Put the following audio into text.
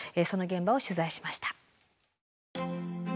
その現場を取材しました。